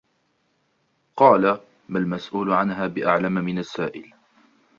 قالَ: مَا الْمَسْؤُولُ عَنْها بِأَعْلَمَ مِنَ السَّائِلِ.